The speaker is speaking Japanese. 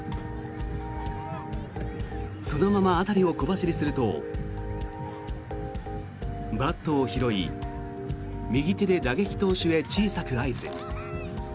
そのまま辺りを小走りするとバットを拾い右手で打撃投手へ小さく合図。